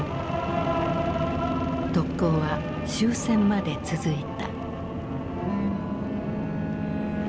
特攻は終戦まで続いた。